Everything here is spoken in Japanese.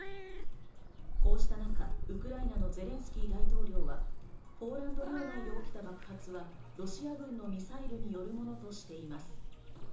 こうした中、ウクライナのゼレンスキー大統領はポーランド領内で起きた爆発はロシア軍のミサイルによるものとしています。